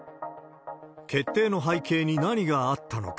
決定の背景に何があったのか。